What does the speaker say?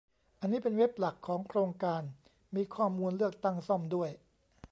อันนี้เป็นเว็บหลักของโครงการ มีข้อมูลเลือกตั้งซ่อมด้วย